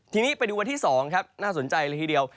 ทีนี้ไปดูวันที่๒ครับน่าสนใจเลยทีเดียว